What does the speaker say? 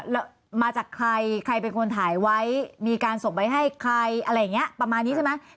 แล้วมาจากใครใครเป็นคนถ่ายไว้มีการส่งไว้ให้ใครอะไรอย่างนี้ประมาณนี้ใช่ไหม